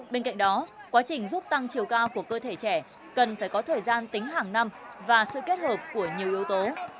bên cạnh đó quá trình giúp tăng chiều cao của cơ thể trẻ cần phải có thời gian tính hàng năm và sự kết hợp của nhiều yếu tố